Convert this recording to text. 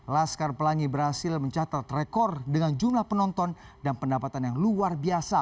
laskar pelangi berhasil mencatat rekor dengan jumlah penonton dan pendapatan yang luar biasa